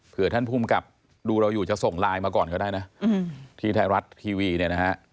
เพื่อท่านภูมิกับดูเราอยู่จะส่งไลน์มาก่อนก็ได้นะที่ไทยรัฐทีวีเนี่ยนะฮะ